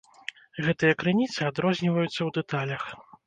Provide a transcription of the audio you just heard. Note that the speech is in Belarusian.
Гэтыя крыніцы адрозніваюцца ў дэталях.